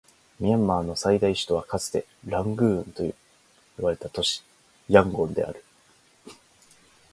ミャンマーの最大都市はかつてラングーンと呼ばれた都市、ヤンゴンである